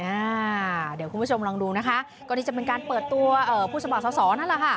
อ่าเดี๋ยวคุณผู้ชมลองดูนะคะก็นี่จะเป็นการเปิดตัวเอ่อผู้สมัครสอสอนั่นแหละค่ะ